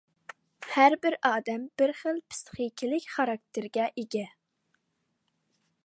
ھەر بىر ئادەم بىر خىل پىسخىكىلىق خاراكتېرگە ئىگە.